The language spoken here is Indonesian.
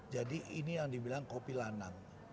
jadi ini yang dibilang kopi lanang